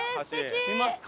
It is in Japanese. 見ますか？